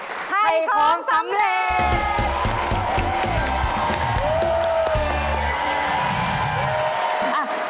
ไถ่ของสำเร็จ